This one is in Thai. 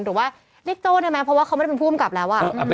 หรือว่าเรียกโจ้ได้ไหมเพราะว่าเขาไม่ได้เป็นผู้กำกับแล้ว